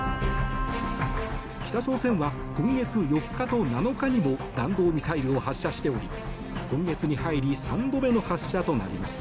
北朝鮮は今月４日と７日にも弾道ミサイルを発射しており今月に入り３度目の発射となります。